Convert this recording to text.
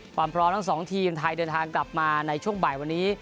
ความพร้อมทั้งสองทีมไทยเดินทางกลับมาในช่วงบ่ายวันนี้